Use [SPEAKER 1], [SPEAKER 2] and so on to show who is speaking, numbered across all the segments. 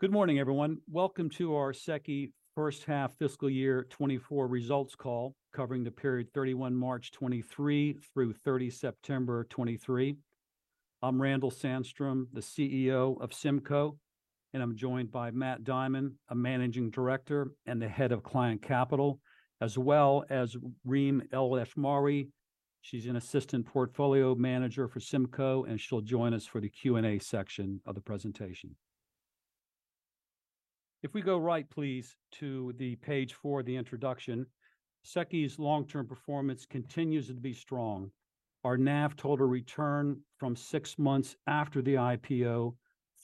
[SPEAKER 1] Good morning, everyone. Welcome to our SEQI First Half Fiscal Year 2024 Results Call, covering the period 31 March 2023 through 30 September 2023. I'm Randall Sandstrom, the CEO of SIMCO, and I'm joined by Matt Dimond, a Managing Director and the Head of Client Capital, as well as Reem Elashmawy. She's an Assistant Portfolio Manager for SIMCO, and she'll join us for the Q&A section of the presentation. If we go right, please, to the page 4, the introduction, SEQI's long-term performance continues to be strong. Our NAV total return from six months after the IPO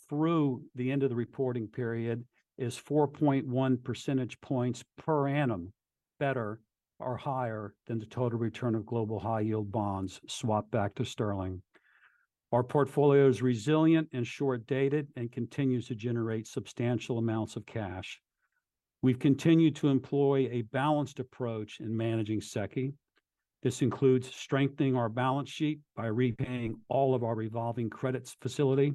[SPEAKER 1] through the end of the reporting period is 4.1 percentage points per annum, better or higher than the total return of global high yield bonds swapped back to sterling. Our portfolio is resilient and short-dated and continues to generate substantial amounts of cash. We've continued to employ a balanced approach in managing SEQI. This includes strengthening our balance sheet by repaying all of our revolving credit facility,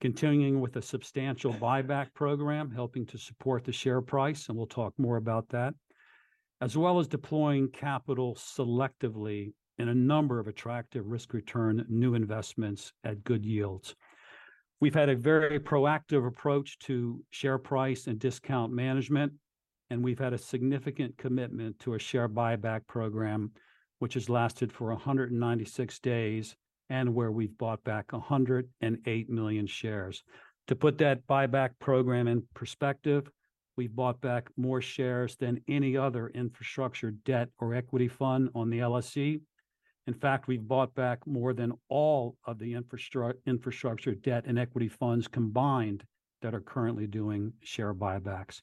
[SPEAKER 1] continuing with a substantial buyback program, helping to support the share price, and we'll talk more about that, as well as deploying capital selectively in a number of attractive risk-return new investments at good yields. We've had a very proactive approach to share price and discount management, and we've had a significant commitment to a share buyback program, which has lasted for 196 days and where we've bought back 108 million shares. To put that buyback program in perspective, we've bought back more shares than any other infrastructure, debt, or equity fund on the LSE. In fact, we've bought back more than all of the infrastructure, debt, and equity funds combined that are currently doing share buybacks.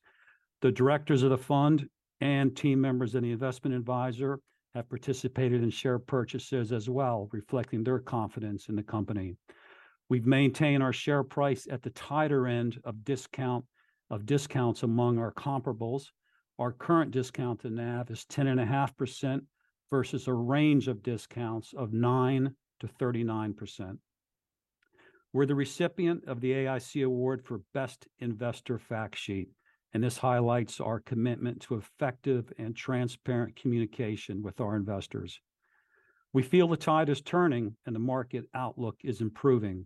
[SPEAKER 1] The directors of the fund and team members and the investment advisor have participated in share purchases as well, reflecting their confidence in the company. We've maintained our share price at the tighter end of discount, of discounts among our comparables. Our current discount to NAV is 10.5% versus a range of discounts of 9%-39%. We're the recipient of the AIC Award for Best Investor Fact Sheet, and this highlights our commitment to effective and transparent communication with our investors. We feel the tide is turning, and the market outlook is improving.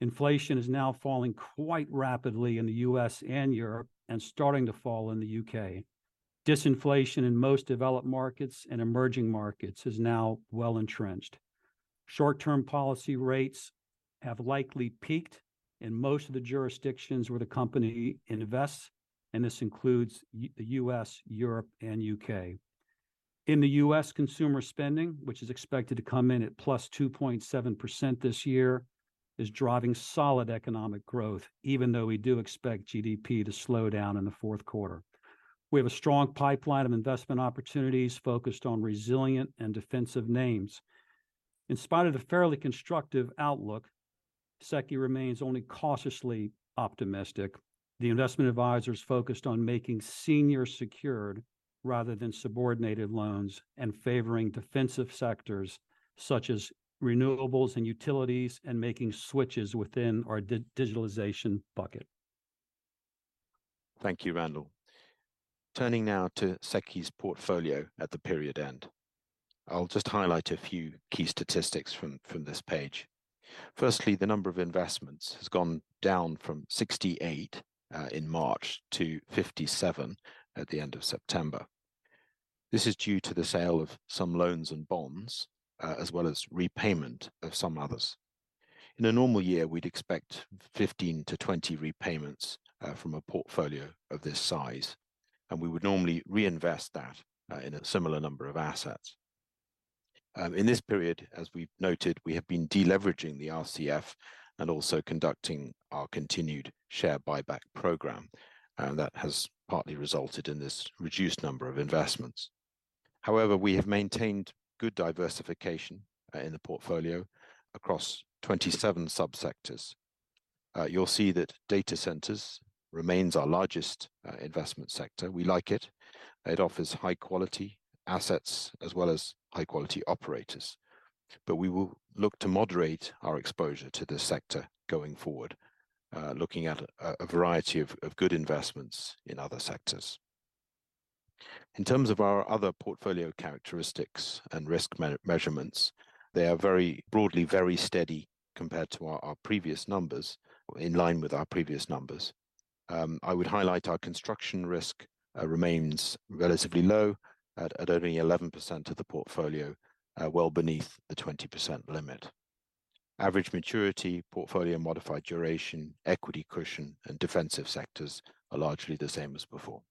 [SPEAKER 1] Inflation is now falling quite rapidly in the U.S. and Europe, and starting to fall in the U.K. Disinflation in most developed markets and emerging markets is now well entrenched. Short-term policy rates have likely peaked in most of the jurisdictions where the company invests, and this includes the U.S., Europe, and U.K. In the U.S., consumer spending, which is expected to come in at +2.7% this year, is driving solid economic growth, even though we do expect GDP to slow down in the fourth quarter. We have a strong pipeline of investment opportunities focused on resilient and defensive names. In spite of the fairly constructive outlook, SEQI remains only cautiously optimistic. The investment advisor is focused on making senior secured rather than subordinated loans and favoring defensive sectors such as renewables and utilities, and making switches within our digitalization bucket.
[SPEAKER 2] Thank you, Randall. Turning now to SEQI's portfolio at the period end. I'll just highlight a few key statistics from this page. Firstly, the number of investments has gone down from 68 in March to 57 at the end of September. This is due to the sale of some loans and bonds as well as repayment of some others. In a normal year, we'd expect 15-20 repayments from a portfolio of this size, and we would normally reinvest that in a similar number of assets. In this period, as we've noted, we have been deleveraging the RCF and also conducting our continued share buyback program, and that has partly resulted in this reduced number of investments. However, we have maintained good diversification in the portfolio across 27 subsectors. You'll see that data centers remains our largest investment sector. We like it. It offers high-quality assets as well as high-quality operators. But we will look to moderate our exposure to this sector going forward, looking at a variety of good investments in other sectors. In terms of our other portfolio characteristics and risk measurements, they are very broadly, very steady compared to our previous numbers, in line with our previous numbers. I would highlight our construction risk remains relatively low at only 11% of the portfolio, well beneath the 20% limit. Average maturity, portfolio modified duration, equity cushion, and defensive sectors are largely the same as before.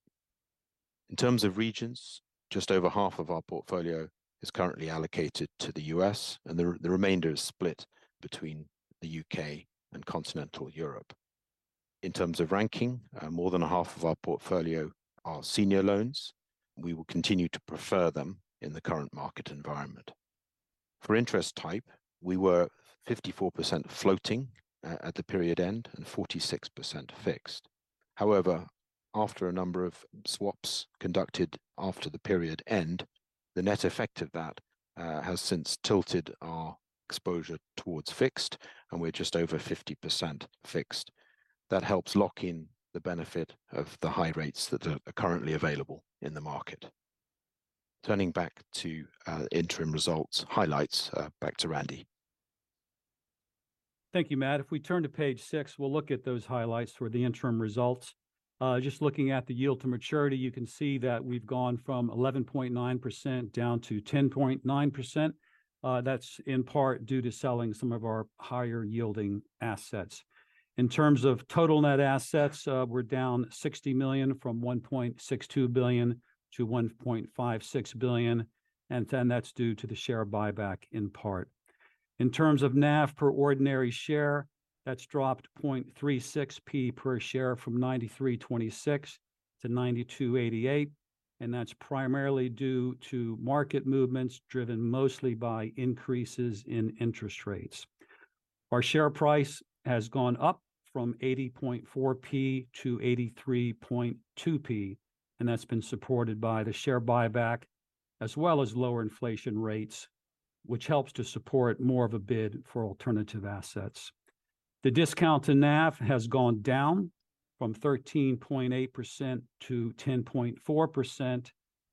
[SPEAKER 2] In terms of regions, just over half of our portfolio is currently allocated to the U.S., and the remainder is split between the U.K. and continental Europe. In terms of ranking, more than a half of our portfolio are senior loans. We will continue to prefer them in the current market environment. For interest type, we were 54% floating at the period end and 46% fixed. However, after a number of swEPS conducted after the period end, the net effect of that has since tilted our exposure towards fixed, and we're just over 50% fixed. That helps lock in the benefit of the high rates that are currently available in the market. Turning back to interim results highlights, back to Randy.
[SPEAKER 1] Thank you, Matt. If we turn to page six, we'll look at those highlights for the interim results. Just looking at the yield to maturity, you can see that we've gone from 11.9% down to 10.9%. That's in part due to selling some of our higher-yielding assets. In terms of total net assets, we're down 60 million from 1.62 billion to 1.56 billion, and then that's due to the share buyback in part. In terms of NAV per ordinary share, that's dropped 0.36p per share from 93.26 to 92.88, and that's primarily due to market movements, driven mostly by increases in interest rates. Our share price has gone up from 80.4p to 83.2p, and that's been supported by the share buyback, as well as lower inflation rates, which helps to support more of a bid for alternative assets. The discount to NAV has gone down from 13.8% to 10.4%.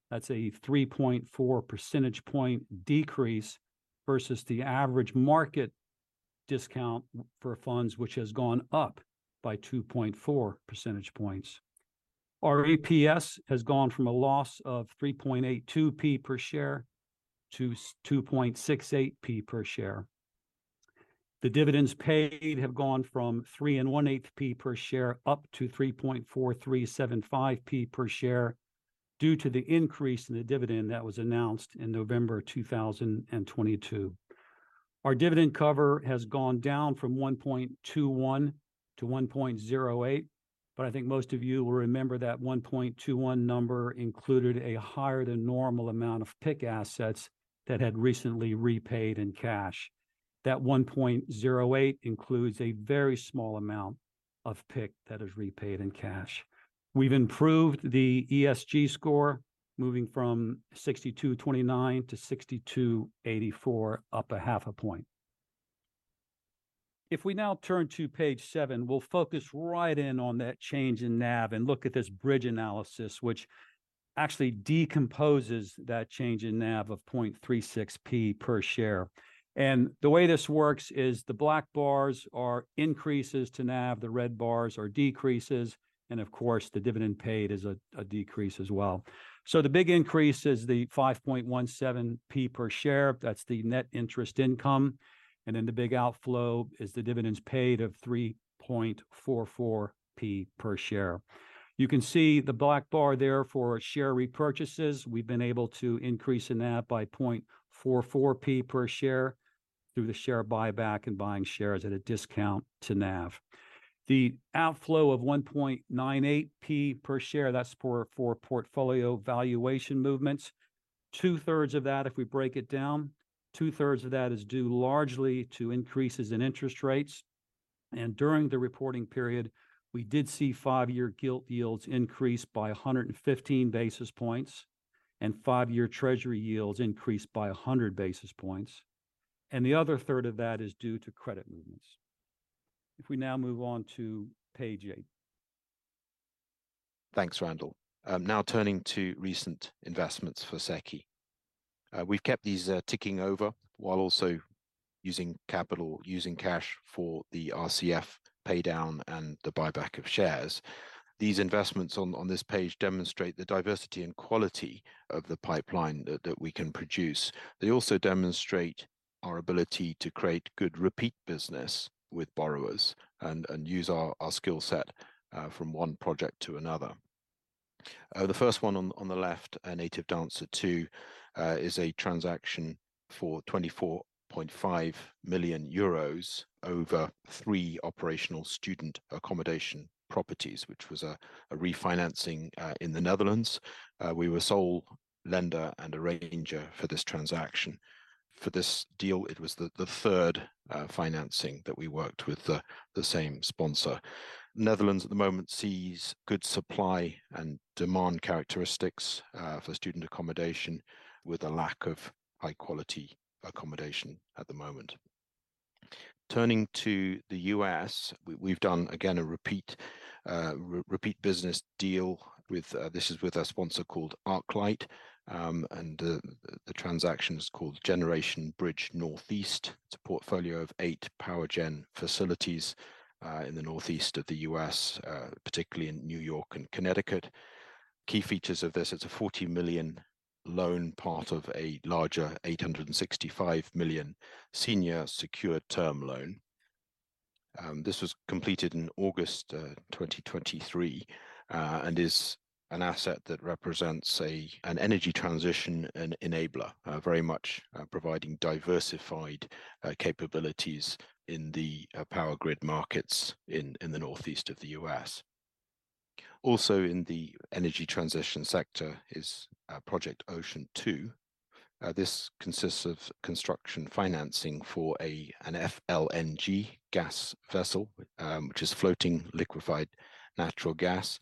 [SPEAKER 1] That's a 3.4 percentage point decrease versus the average market discount for funds, which has gone up by 2.4 percentage points. Our EPS has gone from a loss of 3.82p per share to minus 2.68p per share. The dividends paid have gone from 3.125p per share up to 3.4375p per share, due to the increase in the dividend that was announced in November 2022. Our dividend cover has gone down from 1.21 to 1.08, but I think most of you will remember that 1.21 number included a higher than normal amount of PIK assets that had recently repaid in cash. That 1.08 includes a very small amount of PIK that is repaid in cash. We've improved the ESG score, moving from 62.29 to 62.84, up a half a point. If we now turn to page seven, we'll focus right in on that change in NAV and look at this bridge analysis, which actually decomposes that change in NAV of 0.36p per share. The way this works is the black bars are increases to NAV, the red bars are decreases, and of course, the dividend paid is a decrease as well. So the big increase is the 5.17p per share, that's the net interest income, and then the big outflow is the dividends paid of 3.44p per share. You can see the black bar there for share repurchases. We've been able to increase in that by 0.44p per share through the share buyback and buying shares at a discount to NAV. The outflow of 1.98p per share, that's for portfolio valuation movements. Two-thirds of that, if we break it down, two-thirds of that is due largely to increases in interest rates, and during the reporting period, we did see five-year gilt yields increase by 115 basis points, and five-year Treasury yields increased by 100 basis points, and the other third of that is due to credit movements. If we now move on to page 8.
[SPEAKER 2] Thanks, Randall. Now turning to recent investments for SEQI. We've kept these ticking over while also using capital, using cash for the RCF pay down and the buyback of shares. These investments on this page demonstrate the diversity and quality of the pipeline that we can produce. They also demonstrate our ability to create good repeat business with borrowers and use our skill set from one project to another. The first one on the left, Native Dancer II, is a transaction for 24.5 million euros over three operational student accommodation properties, which was a refinancing in the Netherlands. We were sole lender and arranger for this transaction. For this deal, it was the third financing that we worked with the same sponsor. Netherlands, at the moment, sees good supply and demand characteristics for student accommodation, with a lack of high-quality accommodation at the moment. Turning to the US, we've done again a repeat business deal with a sponsor called ArcLight, and the transaction is called Generation Bridge Northeast. It's a portfolio of 8 power gen facilities in the northeast of the US, particularly in New York and Connecticut. Key features of this, it's a $40 million loan, part of a larger $865 million senior secured term loan. This was completed in August 2023, and is an asset that represents an energy transition enabler. Very much providing diversified capabilities in the power grid markets in the northeast of the US. Also, in the energy transition sector is Project Ocean II. This consists of construction financing for an FLNG gas vessel, which is floating liquefied natural gas.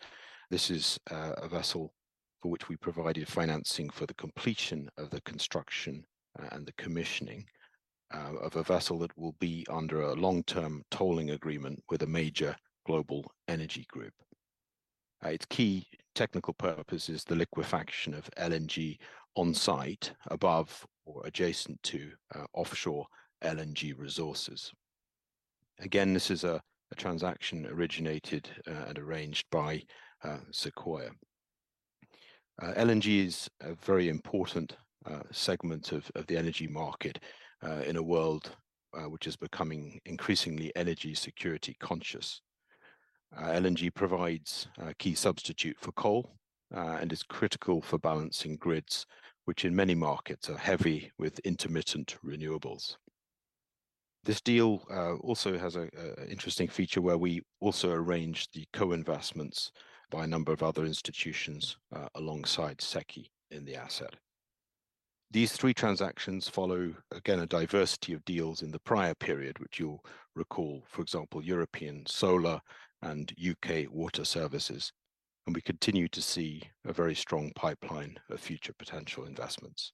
[SPEAKER 2] This is a vessel for which we provided financing for the completion of the construction and the commissioning of a vessel that will be under a long-term tolling agreement with a major global energy group. Its key technical purpose is the liquefaction of LNG on site, above or adjacent to offshore LNG resources. Again, this is a transaction originated and arranged by Sequoia. LNG is a very important segment of the energy market in a world which is becoming increasingly energy security conscious. LNG provides a key substitute for coal and is critical for balancing grids, which in many markets are heavy with intermittent renewables. This deal also has an interesting feature where we also arrange the co-investments by a number of other institutions alongside SEQI in the asset. These three transactions follow, again, a diversity of deals in the prior period, which you'll recall, for example, European Solar and UK Water Services, and we continue to see a very strong pipeline of future potential investments.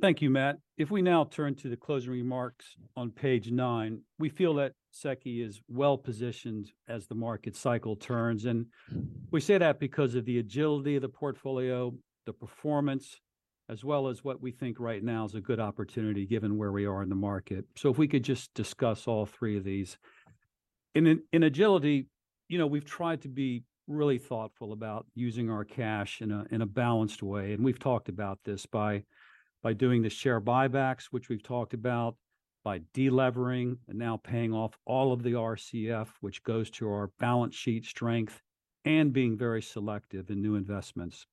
[SPEAKER 1] Thank you, Matt. If we now turn to the closing remarks on page nine, we feel that SEQI is well-positioned as the market cycle turns. We say that because of the agility of the portfolio, the performance, as well as what we think right now is a good opportunity, given where we are in the market. So if we could just discuss all three of these. In agility, you know, we've tried to be really thoughtful about using our cash in a balanced way, and we've talked about this, by doing the share buybacks, which we've talked about, by de-levering and now paying off all of the RCF, which goes to our balance sheet strength, and being very selective in new investments.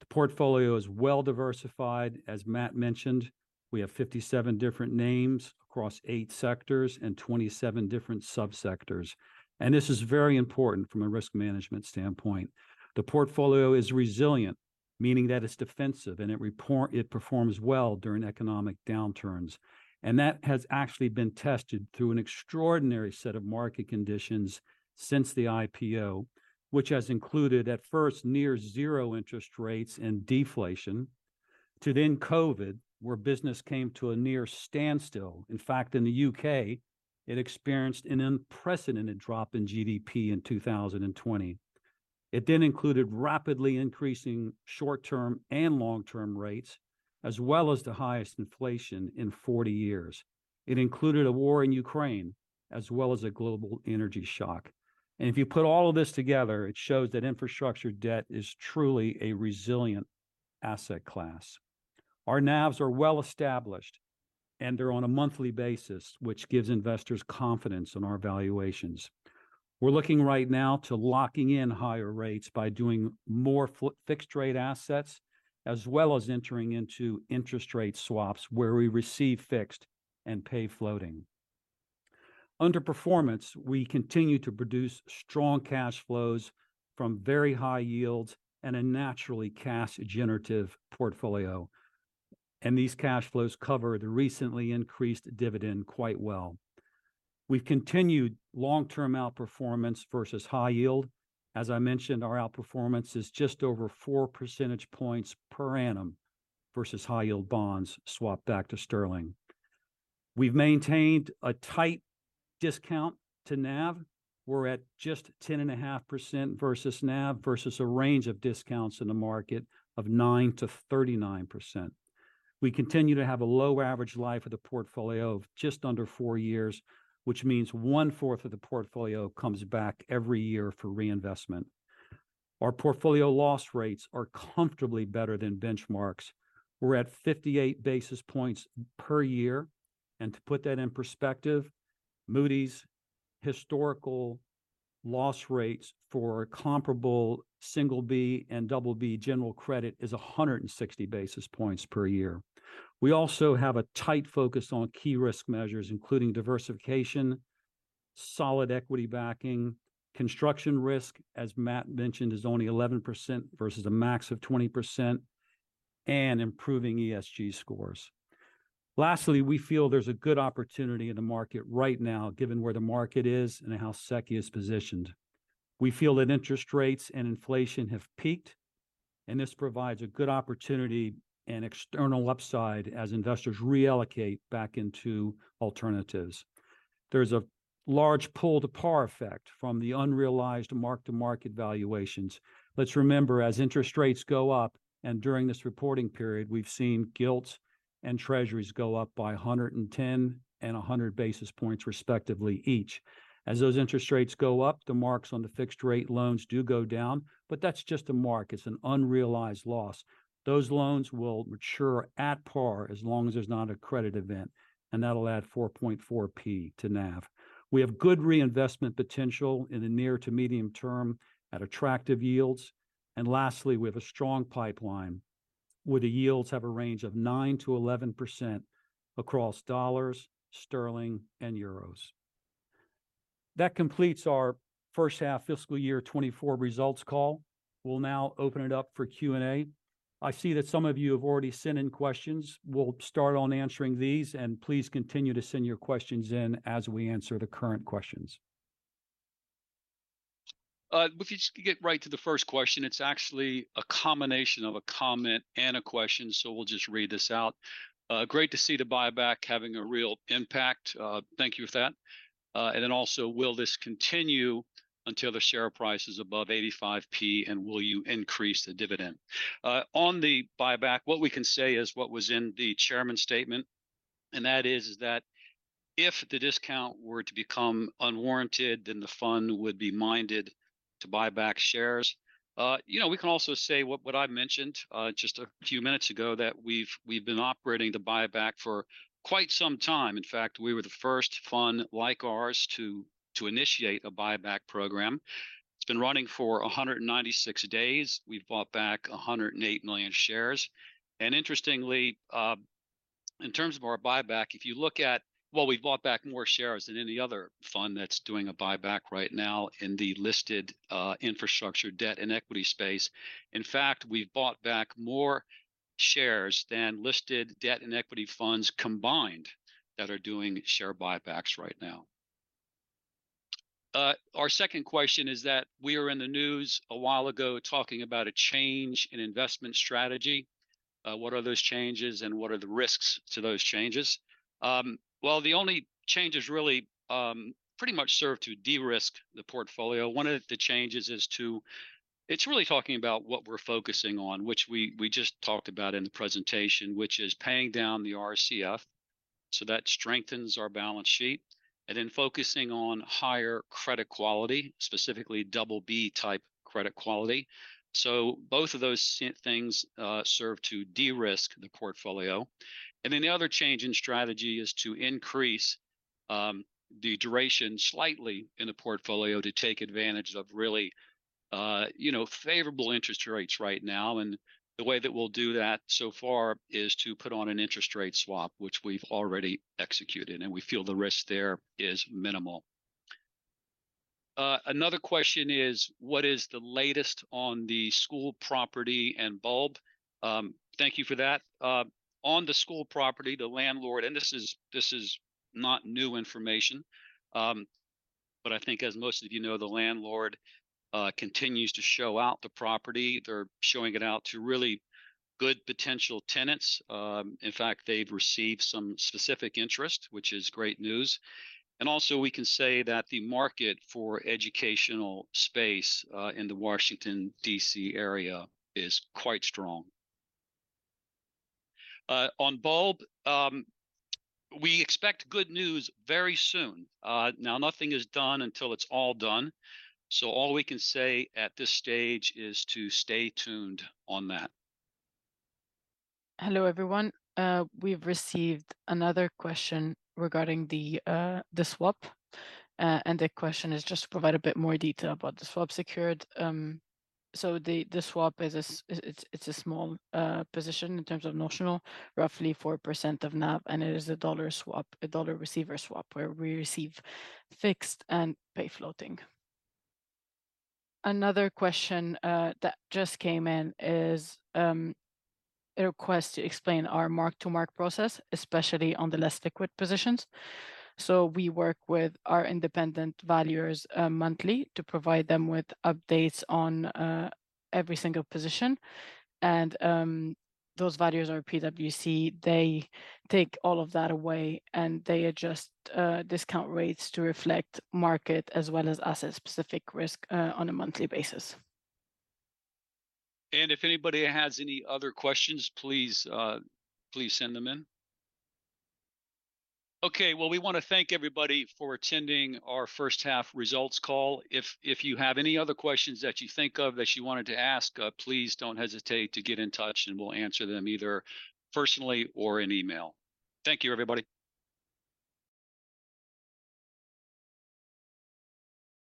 [SPEAKER 1] The portfolio is well-diversified. As Matt mentioned, we have 57 different names across eight sectors and 27 different sub-sectors, and this is very important from a risk management standpoint. The portfolio is resilient, meaning that it's defensive and it performs well during economic downturns. That has actually been tested through an extraordinary set of market conditions since the IPO, which has included, at first, near zero interest rates and deflation, to then COVID, where business came to a near standstill. In fact, in the U.K., it experienced an unprecedented drop in GDP in 2020. It then included rapidly increasing short-term and long-term rates, as well as the highest inflation in 40 years. It included a war in Ukraine, as well as a global energy shock. And if you put all of this together, it shows that infrastructure debt is truly a resilient asset class. Our NAVs are well-established, and they're on a monthly basis, which gives investors confidence in our valuations. We're looking right now to locking in higher rates by doing more fixed-rate assets, as well as entering into interest rate swEPS, where we receive fixed and pay floating. Under performance, we continue to produce strong cash flows from very high yields and a naturally cash generative portfolio, and these cash flows cover the recently increased dividend quite well. We've continued long-term outperformance versus high yield. As I mentioned, our outperformance is just over 4 percentage points per annum versus high-yield bonds swapped back to sterling. We've maintained a tight discount to NAV. We're at just 10.5% versus NAV, versus a range of discounts in the market of 9%-39%. We continue to have a low average life of the portfolio of just under four years, which means one-fourth of the portfolio comes back every year for reinvestment. Our portfolio loss rates are comfortably better than benchmarks. We're at 58 basis points per year, and to put that in perspective, Moody's historical loss rates for comparable single B and double B general credit is 160 basis points per year. We also have a tight focus on key risk measures, including diversification, solid equity backing, construction risk, as Matt mentioned, is only 11% versus a max of 20%, and improving ESG scores. Lastly, we feel there's a good opportunity in the market right now, given where the market is and how SEQI is positioned. We feel that interest rates and inflation have peaked, and this provides a good opportunity and external upside as investors reallocate back into alternatives. There's a large pull-to-par effect from the unrealized mark-to-market valuations. Let's remember, as interest rates go up, and during this reporting period, we've seen gilts and treasuries go up by 110 and 100 basis points, respectively, each. As those interest rates go up, the marks on the fixed-rate loans do go down, but that's just a mark. It's an unrealized loss. Those loans will mature at par as long as there's not a credit event, and that'll add 4.4p to NAV. We have good reinvestment potential in the near to medium term at attractive yields. And lastly, we have a strong pipeline, where the yields have a range of 9%-11% across dollars, sterling, and euros. That completes our first half fiscal year 2024 results call. We'll now open it up for Q&A. I see that some of you have already sent in questions. We'll start on answering these, and please continue to send your questions in as we answer the current questions. If we just get right to the first question, it's actually a combination of a comment and a question, so we'll just read this out. Great to see the buyback having a real impact. Thank you for that. And then also, will this continue until the share price is above 85p, and will you increase the dividend? On the buyback, what we can say is what was in the chairman's statement, and that is that if the discount were to become unwarranted, then the fund would be minded to buy back shares. You know, we can also say what I mentioned just a few minutes ago, that we've been operating the buyback for quite some time. In fact, we were the first fund like ours to initiate a buyback program. It's been running for 196 days. We've bought back 108 million shares, and interestingly, in terms of our buyback, if you look at—well, we've bought back more shares than any other fund that's doing a buyback right now in the listed infrastructure, debt, and equity space. In fact, we've bought back more shares than listed debt and equity funds combined that are doing share buybacks right now. Our second question is that we were in the news a while ago, talking about a change in investment strategy. What are those changes, and what are the risks to those changes? Well, the only changes really pretty much serve to de-risk the portfolio. One of the changes is to... It's really talking about what we're focusing on, which we just talked about in the presentation, which is paying down the RCF, so that strengthens our balance sheet, and then focusing on higher credit quality, specifically double B-type credit quality. So both of those things serve to de-risk the portfolio. And then the other change in strategy is to increase the duration slightly in the portfolio to take advantage of really you know favorable interest rates right now. And the way that we'll do that so far is to put on an interest rate swap, which we've already executed, and we feel the risk there is minimal. Another question is, what is the latest on the school property and Bulb? Thank you for that. On the school property, the landlord, and this is not new information, but I think as most of you know, the landlord continues to show out the property. They're showing it out to really good potential tenants. In fact, they've received some specific interest, which is great news. And also, we can say that the market for educational space in the Washington, D.C. area is quite strong. On Bulb, we expect good news very soon. Now, nothing is done until it's all done, so all we can say at this stage is to stay tuned on that.
[SPEAKER 3] Hello, everyone. We've received another question regarding the swap, and the question is just to provide a bit more detail about the swap secured. So the swap is—it's a small position in terms of notional, roughly 4% of NAV, and it is a dollar swap, a dollar receiver swap, where we receive fixed and pay floating. Another question that just came in is a request to explain our mark-to-market process, especially on the less liquid positions. So we work with our independent valuers monthly, to provide them with updates on every single position, and those valuers are PwC. They take all of that away, and they adjust discount rates to reflect market as well as asset-specific risk on a monthly basis.
[SPEAKER 1] If anybody has any other questions, please, please send them in. Okay, well, we want to thank everybody for attending our first half results call. If you have any other questions that you think of, that you wanted to ask, please don't hesitate to get in touch, and we'll answer them either personally or in email. Thank you, everybody!